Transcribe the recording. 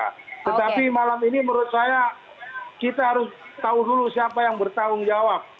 tetapi malam ini menurut saya kita harus tahu dulu siapa yang bertanggung jawab